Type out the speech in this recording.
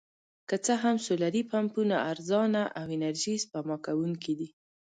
که څه هم سولري پمپونه ارزانه او انرژي سپما کوونکي دي.